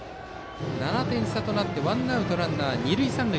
７点差となってワンアウトランナー、二塁三塁。